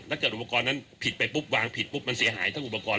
เกิดอุปกรณ์นั้นผิดไปปุ๊บวางผิดปุ๊บมันเสียหายทั้งอุปกรณ์